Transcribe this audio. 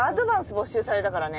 没収されたからね。